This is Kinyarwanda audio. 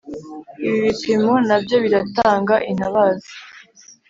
Ibi bipimo nabyo biratanga intabaza